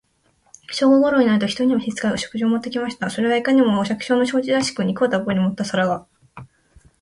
正午頃になると、一人の召使が、食事を持って来ました。それはいかにも、お百姓の食事らしく、肉をたっぶり盛った皿が、